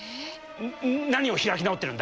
何を開き直ってるんだ？